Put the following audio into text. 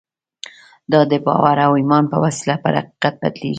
دا د باور او ایمان په وسیله پر حقیقت بدلېږي